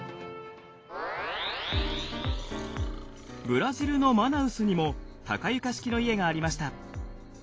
ブラジルのマナウスにも高床式の家がありました。